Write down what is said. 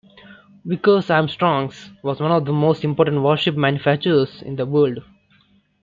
Vickers-Armstrongs was one of the most important warship manufacturers in the world.